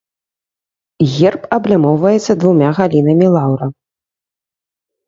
Герб аблямоўваецца двума галінамі лаўра.